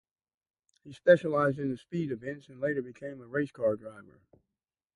He specialized in the speed events and later became a race car driver.